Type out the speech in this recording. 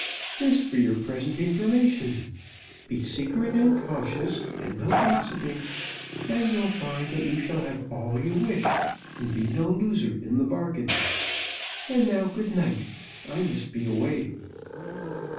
"This for your present information. Be secret and cautious, and no gossiping, and you'll find that you shall have all you wish, and be no loser in the bargain. And now, good night I must be away.